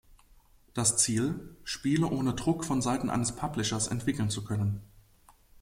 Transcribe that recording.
Das Ziel: Spiele ohne Druck vonseiten eines Publishers entwickeln zu können.